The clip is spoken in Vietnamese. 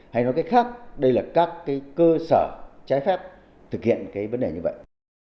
hay nói cách khác đây là các cái cơ sở trái phép thực hiện cái vấn đề như vậy